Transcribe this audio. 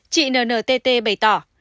chị nntt bày tỏ